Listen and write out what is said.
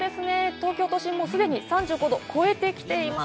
東京都心もすでに３５度を超えてきています。